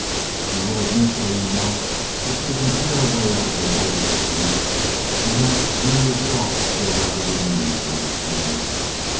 "You will admit, will you not, that we can see our way out of the woods, at least, and that you yourself feel rather relieved?" asked Crane.